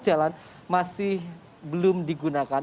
jalan masih belum digunakan